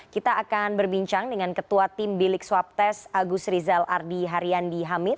kita akan berbincang dengan ketua tim bilik swab tes agus rizal ardi haryandi hamid